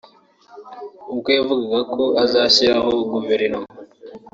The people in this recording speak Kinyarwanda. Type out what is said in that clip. ubwo yavugaga ko azashyiraho Guverinoma